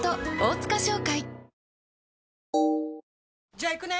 じゃあ行くね！